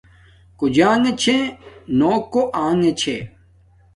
کݸ جݳݣݺ چھݺ نݸ کݸ آݣݺ چھݺ.